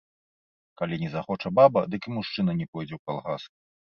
Калі не захоча баба, дык і мужчына не пойдзе ў калгас.